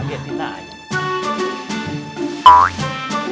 nah biar kita aja